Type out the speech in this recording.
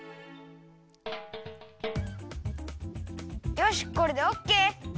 よしこれでオッケー！